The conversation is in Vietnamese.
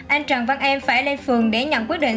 anh trần văn em phải lên phường để nhận quyết định